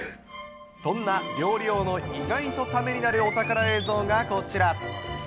そんな料理王の意外とためになるお宝映像がこちら。